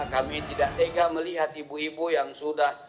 kami tidak tega melihat ibu ibu yang sudah